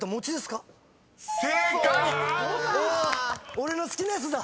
俺の好きなやつだ。